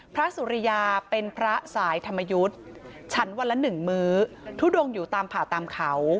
สุริยาเป็นพระสายธรรมยุทธ์ฉันวันละหนึ่งมื้อทุดงอยู่ตามผ่าตามเขา